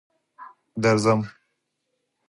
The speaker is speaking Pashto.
درځم.